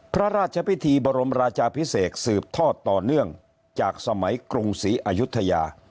พระราชพิธีบรมราชาพิเศษสืบทอดต่อเนื่องจากสมัยกรุงศรีอายุทยา